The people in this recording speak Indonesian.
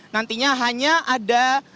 nantinya hanya ada